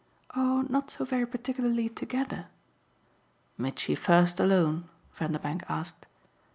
"Oh not so very particularly together." "Mitchy first alone?" Vanderbank asked.